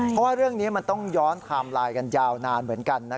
เพราะว่าเรื่องนี้มันต้องย้อนไทม์ไลน์กันยาวนานเหมือนกัน